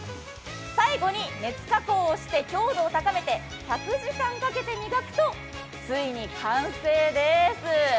最後に熱加工をして強度を高めて１００時間かけて磨くと、ついに完成です。